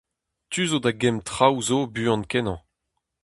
Tu zo da gemm traoù zo buan-kenañ.